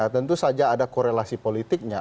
tentu saja ada korelasi politiknya